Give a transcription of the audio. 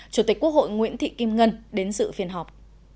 chủ tịch quốc hội nguyễn thị kim ngân đến dự phiên họp